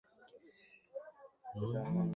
আমার কলিগের কাছে কিছুই নেই।